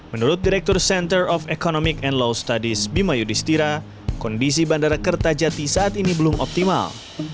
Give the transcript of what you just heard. menurut direktur center of economic and law studies bima yudhistira kondisi bandara kertajati saat ini belum optimal